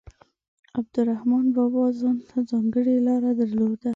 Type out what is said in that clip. عبدالرحمان بابا ځانته ځانګړې لاره درلوده.